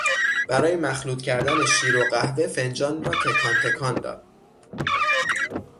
برای مخلوط کردن شیر و قهوه فنجان را تکان تکان داد.